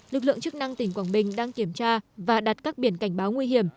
lực lượng chức năng tỉnh quảng bình đang kiểm tra và đặt các biển cảnh báo nguy hiểm